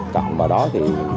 còn vào đó thì